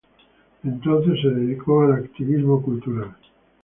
Entonces se dedicó al activismo cultural.